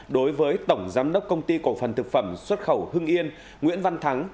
đối với tổng giám đốc công ty cổ phần thực phẩm xuất khẩu hưng yên nguyễn văn thắng